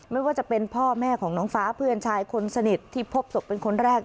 ไม่ว่าจะเป็นพ่อแม่ของน้องฟ้าเพื่อนชายคนสนิทที่พบศพเป็นคนแรก